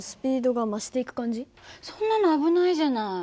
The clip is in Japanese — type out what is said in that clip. そんなの危ないじゃない。